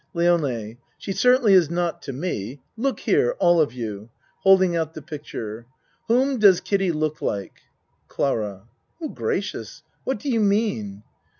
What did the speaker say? LIONE She certainly is not to me. Look here all of you. (Holding out the picture.) Whom does Kiddie look like? CLARA Oh, gracious! What do you mean?